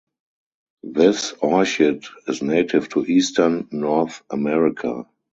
This orchid is native to eastern North America.